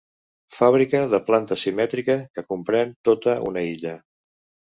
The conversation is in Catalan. Fàbrica de planta simètrica, que comprèn tota una illa.